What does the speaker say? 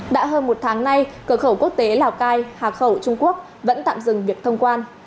đã hơn một tháng nay cửa khẩu quốc tế lào cai hà khẩu trung quốc vẫn tạm dừng việc thông quan